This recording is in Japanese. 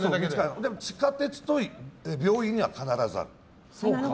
で、地下鉄と病院には必ずある。